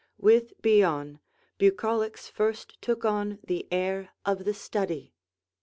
With Bion, bucolics first took on the air of the study.